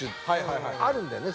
あるんだよね